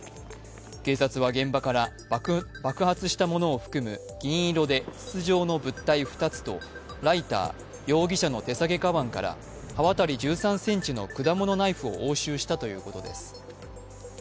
警察は現場から爆発したものを含む銀色で筒状の物体２つとライター、容疑者の手提げかばんから刃渡り１３ｃｍの果物ナイフを押収したということです。